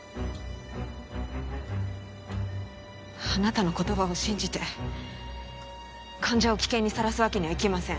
あなたの言葉を信じて患者を危険にさらすわけにはいきません